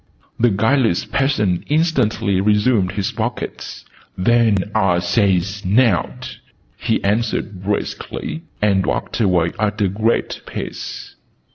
The guileless peasant instantly resumed his buckets. "Then ah says nowt!" he answered briskly, and walked away at a great pace.